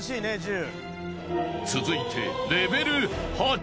［続いて］